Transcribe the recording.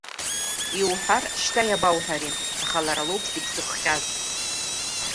Иуҳәар, шьҭа иабауҳәари, аха лара лоуп зегь зыхҟьаз!